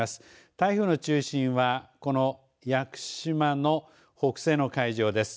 台風の中心はの屋久島の北西の海上です。